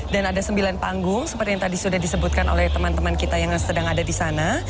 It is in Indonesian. dan ada sembilan panggung seperti yang tadi sudah disebutkan oleh teman teman kita yang sedang ada di sana